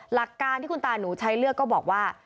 หลักการที่คุณตาหนูใช้เลือกก็บอกว่า